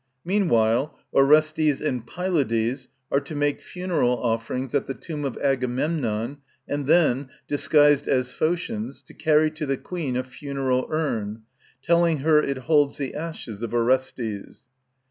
Meanwhile Orestes and Pylades are to make funeral offerings at the tomb of Agamemnon and then, disguised as Phocians, to carry to the Queen a Suneral urn, telling her it holds the ashes of Orestes.